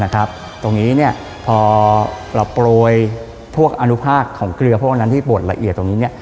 ตรงนี้พอเราโปรยพวกอนุภาคของเกลือพวกนั้นที่บดละเอียดตรงนี้